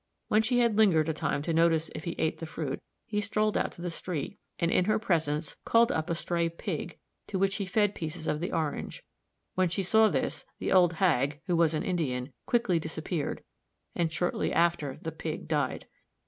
When she had lingered a time to notice if he ate the fruit, he strolled out to the street, and in her presence called up a stray pig, to which he fed pieces of the orange. When she saw this, the old hag, who was an Indian, quickly disappeared, and shortly after the pig died.